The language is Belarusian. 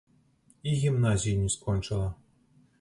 І гімназіі не скончыла.